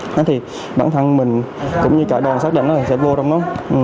thế thì bản thân mình cũng như cả đoàn xác định là sẽ vô trong đó